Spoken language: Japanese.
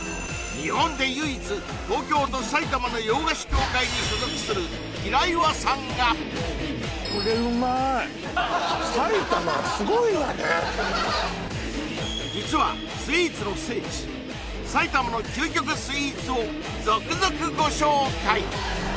日本で唯一東京と埼玉の洋菓子協会に所属する平岩さんが実はスイーツの聖地を続々ご紹介